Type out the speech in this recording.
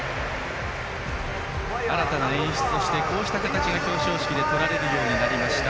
新たな演出をしてこうした形で表彰式が執り行われるようになりました。